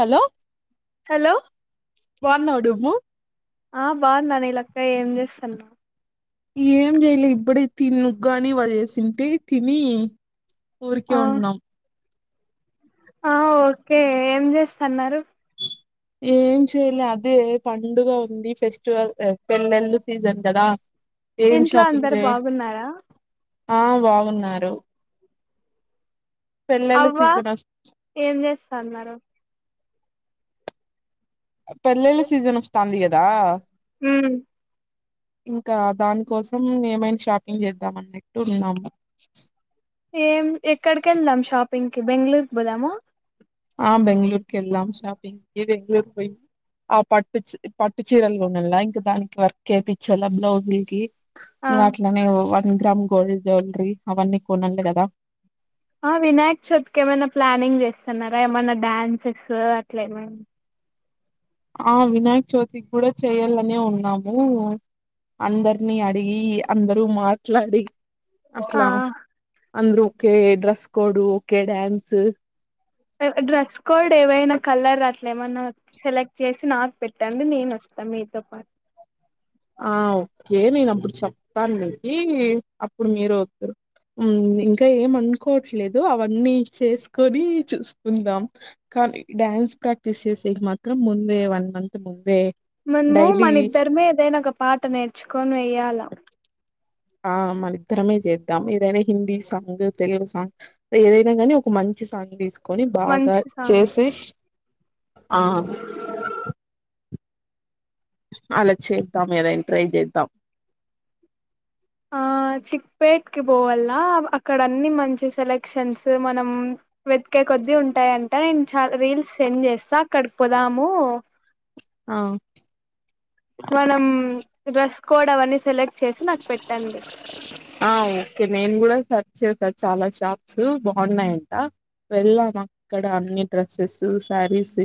Hello hello బాగున్నావా డువ్వు ఆ బాగున్నా నీ లెక్క ఏం చేస్తున్నావ్ ఏం చేయలే ఇప్పుడే తినీ ఉగ్గాని వడ చేసింటే తిని ఊరికే ఆ ఉన్నాం ఆ ఓకే ఏం చేస్తున్నారు ఏం చేయలే అదే పండుగ ఉంది ఫెస్టివల్ పెళ్లెళ్ళు సీజన్ కదా ఏం ఇంట్లో షాపింగ్ అందరు చే బాగున్నారా ఆ బాగున్నారు పెళ్ళిళ్ళ అవ్వ సీజన్ వస్ ఏం చేస్తన్నారు పెళ్లిళ్ల సీజన్ వస్తంది కదా ఉమ్ ఇంకా దాని కోసం ఏమైనా షాపింగ్ చేద్దాం అన్నట్టు ఉన్నాము ఏం ఎక్కడికి వెళ్దాం షాపింగ్ కి ఈ బెంగళూరుకు పోదాము ఆ బెంగళూరుకి వెళ్ళాం షాపింగ్ కి బెంగళూరు పోయి ఆ పట్టు పట్టు చీరలు కొనల వెళ్లా ఇంకా దానికి వర్క్ వేపించాలా బ్లౌజుల కి ఆ ఇంకా అట్లనే పోవాలి వన్ గ్రామ్ గోల్డ్ జ్యువెలరీ అవన్నీ కొనాలి కదా ఆ వినాయక్ చతికి ఏమైనా ప్లానింగ్ చేస్తున్నారా ఏమైనా డాన్సెస్ అట్లా ఏమైన ఆ వినాయకచవితి కూడా చేయాలనే ఉన్నాము అందరినీ అడిగి అందరూ మాట్లాడి ఆ అట్లా అందరూ okay dress code okay dance dress code ఏవైనా కలర్ అచ్చ అ ఏమన్నా సెలెక్ట్ చేసి నాకు పెట్టండి నేను వస్తాను మీతో పాటు ఆ ఓకే నేను అప్పుడు చెప్తానుమీకీ అప్పుడు మీరు వారు ఇంకా ఏమను వట్లేదు అవన్నీ చేసుకొని చూసుకుందాం కానీ డ్యాన్స్ ప్రాక్టీస్ చేసే మాత్రం ముందు [unintelligible] వన్ మంత్ ముంద మనము మనద్దరిమే ఏదైనా గప్ప పాట నేర్చుకొని వేయాల ఆ ఇద్దరమే చేద్దాం ఏదైనా హిందీ సాంగ్ తెలుగు సాంగ్ ఏదైనా కని ఒక మంచి సాంగ్ తీసుకొని బాగా మంచి సాంగ్ చేసి ఆ అలా చేద్దాం ఏదనా ట్రై చేద్దాం చిక్పేట్కి పోవనాల అక్కడ అన్ని మంచి సెలెక్షన్స్ మనం వెతికే కొద్దీ ఉంటాయంట నేను చాలా రీల్స్ సెండ్ చేస్తా అక్కడికి పోదాము ఆ మనం డ్రెస్ కోడ్ అవన్నీ సెలెక్ట్ చేసి నాకు పెట్టండి ఆ ఓకే నేను కూడా సర్చ్ చేసాను చాలా షాప్ బాగున్నాయంట వెళ్ళాం అక్కడ అన్ని డ్రెస్సెస్ శారీస్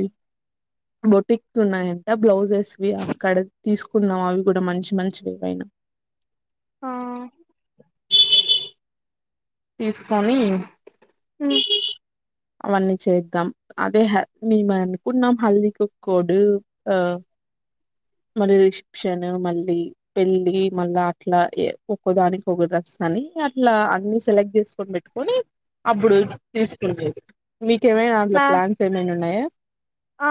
బొటిక్తున్నాయంట బ్లౌజెస్ అక్కడ తీసుకు కుందన్నాం అవి కూడా మంచి మంచివివయినా ఆ తీసుకోని హ్మ్ అవన్నీ చేద్దాం అదే మీ మ పూర్ణ హల్దికు [unintelligible] ఆ మరి క్షన్ మళ్ళీ పెళ్ళి మళ్ళా అట్లా ఒక్కోదానికి ఒ ఒక డ్రెస్ అని అట్లా అన్ని సెలెక్ట్ చేసుకొని పెట్టుకొని అప్పుడు తీసుకునేది కేమే అందులో మ్యా ప్లాన్స్ ఏమనా ఉన్నాయా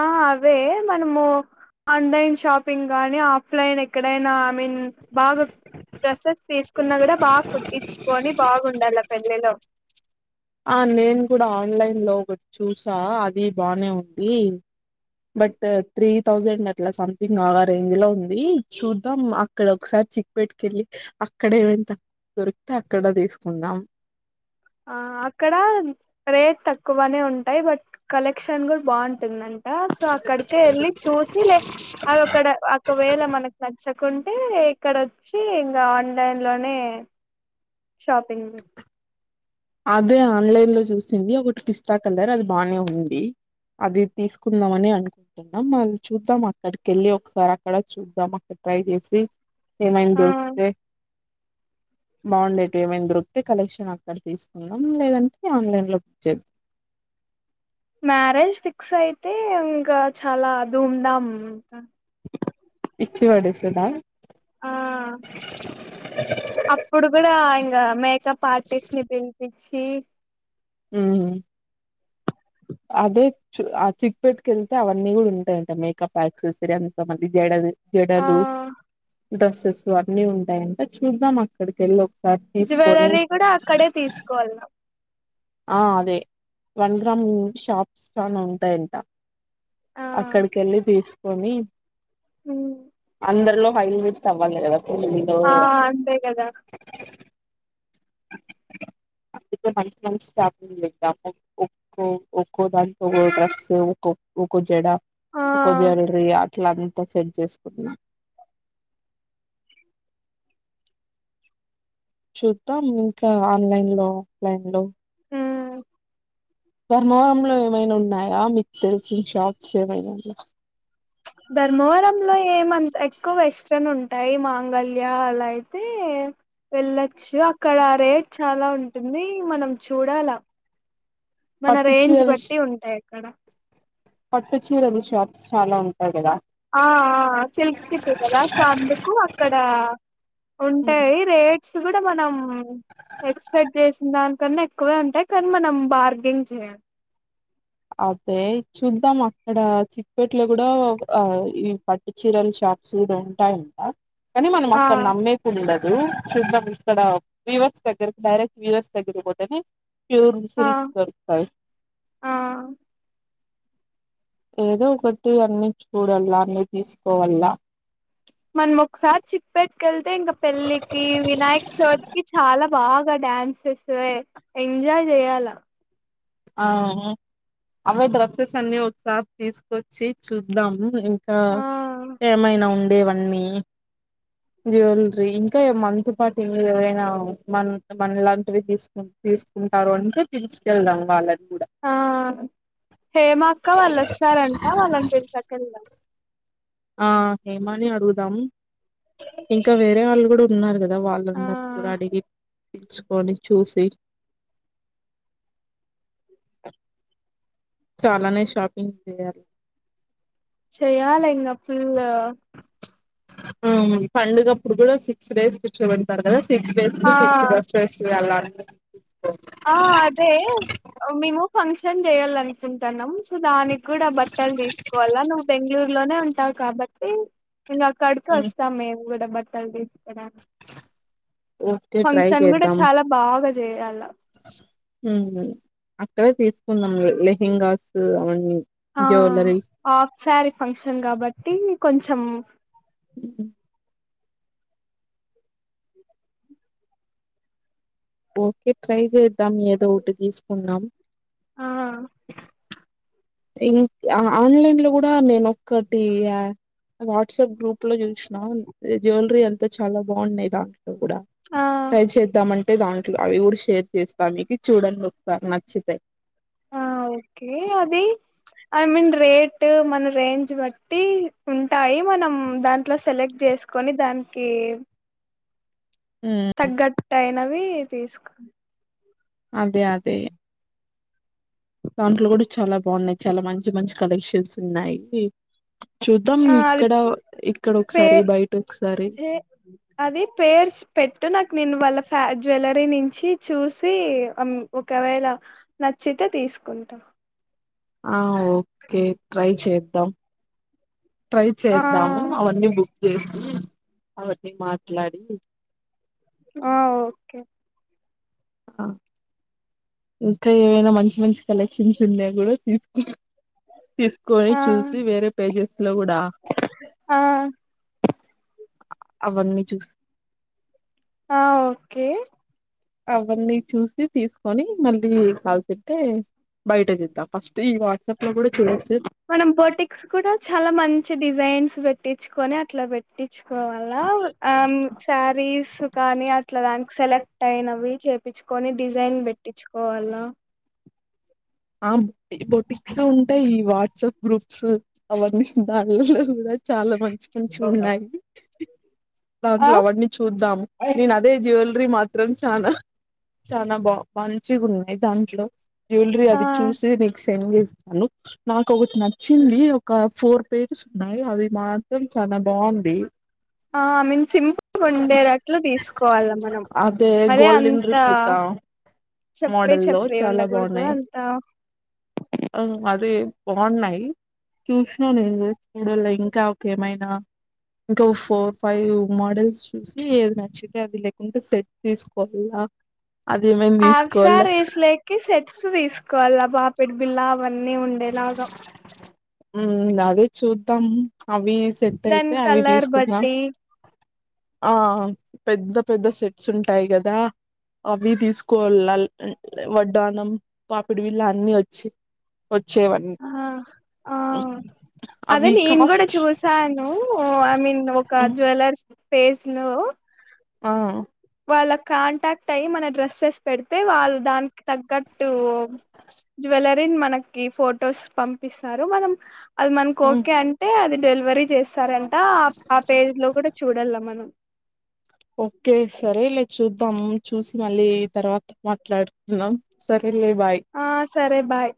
ఆ అవే మనము ఆన్లైన్ షాపింగ్ నీ ఆఫ్లైన్ ఎక్కడైనా ఐ మీన్ బాగా డ్రెస్సెస్ తీస్ కున్న కూడా బాగా కుట్టించుకొని బాగుండాలి పెళ్లిలో ఆ నేను కూడా ఆన్లైన్ లో ఒకటి చూసా అది బానే ఉంది బట్ త్రీ థౌజండ్ అలా స గా రేంజ్ లో ఉంది చూద్దాం అక్కడ ఒకసారి చిక్పపేట్టు వెళ్ళి అక్కడ ఏమైనా దొరికితే అక్కడ తీసుకుందాం ఆ అక్కడ రేట్ తక్కువనే ఉంటాయి బట్ కలెక్షన్ కూడా బాగుంటుందండి సో అక్కడికి వెళ్ళి చూసి లేక్ అది ఒకడ ఒకవేళ మనకు నచ్చకుండా అంటే ఇక్కడ వచ్చి ఇంకా ఆన్లైన్ లోనే షాపింగ్ అదే ఆన్లైన్ లో చూస్త వచ్చింది ఒకటి పిస్తా కలర్ అది బాగానే ఉంది అది తీసుకుందాంమని అనుకుంటు కొన్నామా మళ్ చూద్దాం అని అక్కడికెళ్ళి ఒకసారి అక్కడ చూద్దాం అక్కడ ట్రై చేసి ఆ ఏమైందో ఏ బాగుండేటు ఏమైనా దొరికితే కలెక్షన్ అక్కడ తీసుకు కొనడం లేదంటే ఆన్లైన్ లో బుక్ చే మ్యారేజ్ ఫిక్స్ అయితే ఇంకా చాలా ధూమ్ ధామ్ ఇచ్చి పడేసేనా ఆ అప్పుడు కూడా ఇన్ క మేక్ సో పార్టీకి పిలిపించి ఇచ్చి కీ హు అదే చ ఆ చిట్ పెట్టుకు వెళ్తే అవన్నీ కూడా ఉంటాయంట మేకప్ యాక్సెసరీ అంత మంది జడది ఆ జడాలు డ్రెస్సెస్ అన్నీ ఉంటాయి అంటా చూద్దాం అక్కడికెళ్ళ ఒక జువెలరీ కూడా అక్కడే తీసుకువేలిన్నాం ఆ అదే వన్ గ్రామ్ షాప్స్ గాని ఉంటాయంట ఆ అక్కడికి వెళ్ళి తీసుకొని ఉమ్ అందరిలో హైలెట్ అవ్వాలి కదా పెళ్ళిలో ఆ అంతే కదా అందుకే మంచి మంచి షాపింగ్ లు తిరిగాము ఒక్కో ఒక్కో దానికో ఒ డ్రెస్సు ఒ ఒక్కో జడ ఒక ఆ జ్యూవెలరీ అట్లాంత ఒక్కొ సేట్ చేసుకున్నాం చూద్దాం ఇంకా ఆన్లైన్ లో ఆఫ్లైన్ లో ధర్మవరంలో ఏమైనా ఉన్నాయా మీకు తెలిసిన షాప్ ఏమైనా అందులో ధర్మవరాం లో ఏమంత ఎక్కువ వెస్ట్రన్ ఉంటాయి మాంగళ్యా అలా అయితే వెళ్లచ్చు అక్కడ రేట్ చాలా ఉంటుంది మనం చూడాల మన పట్టు రేంజ్ చీరలు బట్టి ఉంటాయి అక్కడ పట్టు చీరలు షాప్స్ చాలా ఉంటాయి కదా ఆ ఆ సిల్క్ సిటీ కదా చాంద్ కు అక్కడ ఉంటాయి రేట్స్ కూడా మనం ఎక్స్పెక్ట్ చేసిన దానికన్నా ఎక్కువే ఉంటాయి కానీ మనం బార్గెంగ్ చేయలి అదే చూద్దాం అక్కడ చిక్పేట్లో కూడా ఈ పట్టు చీరలు షాప్స్ కూడా ఉంటాయంట కానీ మనం ఆ అక్కడ నమ్మేకి ఉండదు చూద్దాం ఇక్కడ వీవర్స్ దగ్గరకి డైరెక్ట్ వీవర్స్ దగ్గిర పోతేనే ప్యూర్ ఆ స్కిల్ [unintelligible] ఆ ఏదో ఒకటి అన్ని చూడలా అన్ని తీసుకోవల్లా మనం ఒక్కసారి చిప్పేట్కేల్తే ఇంకా పెళ్ళికి వినాయక చవితి కి చాలా బాగా డ్యాన్స్ [unintelligible] ఎంజాయ్ చేయాలా ఆ అవే డ్రెస్సెస్ అన్ని ఒకసారి తీసుకొచ్చి చూద్దాము ఇంకా ఆ ఏమైనా ఉండేవన్నీ జెల్లెరీ ఇంకా మనతో పాటు ఏ ఏవరైనా మన మన ఇలాంటివి తీసుకు తీసుకుంటారు అంటే తీసుకెళ్దాము వాళ్ళ ఆ హేమాక్క వాళ్ళు వస్తారంట వాళ్ళనిపించకెళ్దాం ఆ హేమాని అడుగుదాం ఇంకా వేరే వాళ్ళు కూడా ఉన్నారు కదా ఆ వాళ్ళందరి కూడా అడిగి పలుచుకొని చూసి చాలానే షాపింగ్ చేయాలి చేయాలి ఇక ఫుల్ ఆ పండుగ అప్పుడు కూడా సిక్స్ డేస్ కూర్చోపెటుతారు కదా సిక్స్ డేస్ ఆ సిక్స్ డ్రెస్సెస్ వైయాల ఆ అదే మేము ఫంక్షన్ చేయాల అనుకుంటాన్నాం దానికి కూడా బట్టలు తీసుకోవాలా నువ్వు బెంగళూరు లోనే ఉంట కాబట్టి ఇంగా అక్కడికీ వస్తామే ఊద బట్ [unintelligible] ఓకే ట్రై ఫంక్షన్ కూడా చేద్దాం చాలా బాగా చేయాలా మ్ అక్కడే తీసుకుందాంలె [unintelligible] అవ్వని ఆ ఆఫ్ సారీ ఫంక్షన్ కాబట్టి కొంచెం టామ్ ఉ ఓకే ట్రై చేద్దాం ఏదో ఒకటి తీసుకుందాం [inaudible] ఆ ఇంకా ఆన్లైన్ లో కూడా నేను ఒక్కటి వాట్సాప్ గ్రూప్ లో చూసినా జ్యువెలరీ అంతా చాలా బాగున్నాయి దాంట్లో కూడా ఆ ట్రై చేద్దామంటే దాంట్లో అవి కూడా షేర్ చేస్తాను మీకు చూడండి ఒకసారి నచ్చితే ఆ ఓకే అది ఐ మీన్ రేట్ మన రేంజ్ బట్టి ఉంటాయి మనం దాంట్లో సెలెక్ట్ చేసుకొని దానికి హ్మ్. తగ్గట్టు అయినవి తీసుకు అదే అదే దాంట్లో కూడా చాలా బాగున్నాయి చాలా మంచి మంచి కలెక్షన్స్ ఉన్నాయి చూద్దాం ఆ అది ఇక్కడ పే ఇక్కడొకసారి, బయటొకసారి పే అది పేర్స్ పెట్టు నాకు నేను వాళ్ళకు ఫ్యా జ్యువెలరీ నుంచి చూసి ఒకవేళ నచ్చితే తీసుకుంటాం ఆ ఓకే ట్రై చేయ్ ద్దాం ట్రై ఆ చేద్దాము అవన్నీ బుక్ చేసి అవన్నీ మాట్లాడుతూ ఆ ఓకే హా ఇంకా ఏవైనా మంచి మంచి కలెక్షన్స్ ఉన్నా కూడా తీసుకురా తీసుకొని ఆ చూసి వేరే ప్రైజెస్ లో కూడా ఆ అవ్వన్నీ చూసి ఆ ఓకే అవన్నీ చూస్తే తీసుకొని మళ్ళీ నీకు కాల్సి అయితే కూడా చూడొచ్చు మనం బోటిక్స్ కూడా చాలా మంచి డిజైన్స్ పెట్టి కుట్టించుకొని అట్లా పెట్టించుకోవాల ఆ శారీస్ కానీ ఇట్లా దానికి సెలెక్ట్ అయినవి చేపించుకొని డిజైన్ పెట్టించుకో పోవాల్నా ఆ బుటిక్ ఆ బోటిక్ సో ఉంటాయి ఈ వాట్సాప్ గ్రూప్స్ అవన్నీ దాంలలో కూడా చాలా మంచి మంచి ఉన్నాయి ఆ దాంట్లో అవని చూద్దాం నేను అదే జ్యూవెలరీ త్రీ మాత్రం చానా చానా బా మంచిగా ఉన్నాయి దాంట్లో జ్యూవెలరీ ఆ అది చూసే బిక్స్ టెన్ డేస్ అను నాకు ఒకటి నచ్చింది ఒక ఫోర్ పేజెస్ ఉన్నాయి అవి మా ఆ ఐ మీన్ సింపుల్గా ఉండేటట్లు తీసుకోవాలి మనం అదే మరి గోల్డెన్ అంత రిప్లికా చెప్పరే చెప్పరే ఉండకూడదు అందు అంగ్ అది బాగున్నాయి చూసిన నేను కూడా [unintelligible] లో ఇంకా ఓకేమై ఆ ఇంకో ఫోర్ ఫైవ్ మోడల్స్ చూసి ఏది నచ్చితే అది లేకుంటే సెట్ తీసుకోవాలా అది ఏమైనా హాఫ్ తీసుకోవాల శారీస్ లోకి సెట్స్ తీసుకు కాళ్ళ పాపిడిబిళ్ళ వన్నీ ఉండేలాగాం ఉ అదే చూద్దాం అవి ఎస్ దన్ కలర్ బట్టి ఆ పెద్ద పెద్ద సెట్స్ ఉంటాయి కదా వడ్డానం పాపిడి వీళ అన్ని వచ్చి వచ్చేవన్నీ ఆ ఆ అదే అవి నేను కూడా కాస్ట్ చూసాను ఐ మీన్ ఒక హ్మ్. జ్యువెలర్స్ పేసను ఆ వాళ్ళకి కాంటాక్ట్ అయయి మన డ్రెస్ పెడితే వాళ్ళు దానికి తగ్గ జ్యూలరీ మనకి ఫొటోస్ పంపిస్తారు మనం అది మనకి హ్మ్. ఓకే అంటే అది డెలి వరి చేస్తారంట అప్ ఆ పేజ్ లో కూడా చూడల్ల మనం ఓకే సరేలే చూ ద్దమ్ చూసి మళ్ళీ తర్వాత మాట్లాడుతున్నాం స ఆ సరే బాయ్